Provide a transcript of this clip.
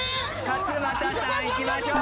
勝俣さんいきましょう。